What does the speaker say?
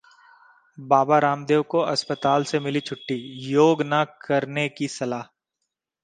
बाबा रामदेव को अस्पताल से मिली छुट्टी, योग ना करने की सलाह